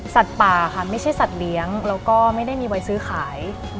สัตว์ป่าค่ะไม่ใช่สัตว์เลี้ยงแล้วก็ไม่ได้มีไว้ซื้อขาย